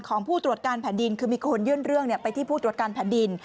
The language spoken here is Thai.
ของผู้ตรวจการแผ่นดินคือมีคนยื่นเรื่องไปที่ผู้ตรวจการแผ่นดิน